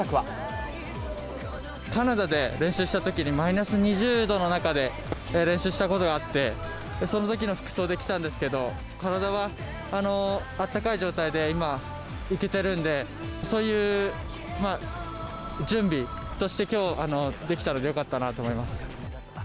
カナダで練習したときに、マイナス２０度の中で練習したことがあって、そのときの服装で来たんですけど、体はあったかい状態で今いけてるんで、そういう準備として、きょう、できたのでよかったなと思います。